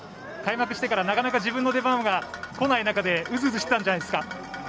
開幕してからなかなか自分の出番がこない中でうずうずしていたんじゃないですか。